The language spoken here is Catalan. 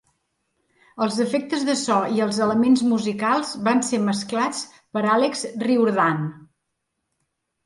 Els efectes de so i els elements musicals van ser mesclats per Alex Riordan.